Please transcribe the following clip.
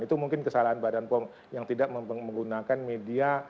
itu mungkin kesalahan badan pom yang tidak menggunakan media